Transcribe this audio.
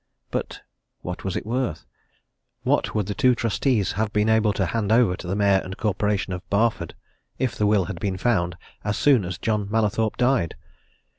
But what was it worth? What would the two trustees have been able to hand over to the Mayor and Corporation of Barford, if the will had been found as soon as John Mallathorpe died?